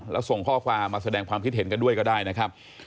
แล้วส่งข้อความมาแสดงความคิดเห็นกันด้วยก็ได้นะครับ